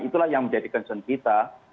itulah yang menjadi concern kita